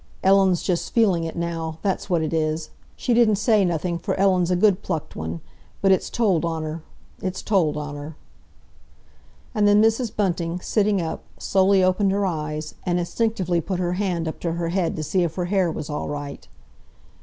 Ellen's just feeling it now—that's what it is. She didn't say nothing, for Ellen's a good plucked one, but it's told on her—it's told on her!" And then Mrs. Bunting, sitting up, slowly opened her eyes, and instinctively put her hand up to her head to see if her hair was all right.